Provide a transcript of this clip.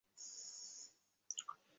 আঠার মতো একসাথে লেগে থাকতো।